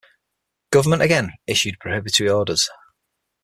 Government again issued prohibitory orders.